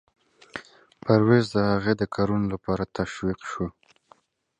Purvis was praised for his actions.